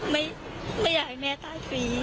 ไม่อยากให้แม่ตายฟรี